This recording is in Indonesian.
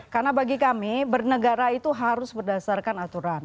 karena bagi kami bernegara itu harus berdasarkan aturan